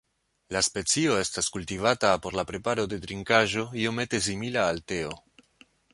La specio estas kultivata por la preparo de trinkaĵo iomete simila al teo.